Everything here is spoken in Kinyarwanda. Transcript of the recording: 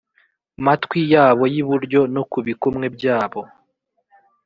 matwi yabo y iburyo no ku bikumwe byabo